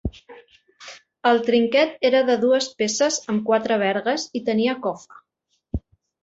El trinquet era de dues peces amb quatre vergues i tenia cofa.